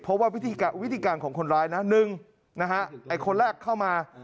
เพราะว่าวิธีการของคนร้ายนะ๑นะฮะไอ้คนแรกเข้ามา